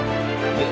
những sai phạm